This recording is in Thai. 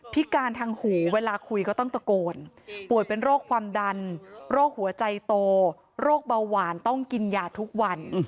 พิการทางหูเวลาคุยก็ต้องตะโกนป่วยเป็นโรคความดันโรคหัวใจโตโรคเบาหวานต้องกินยาทุกวัน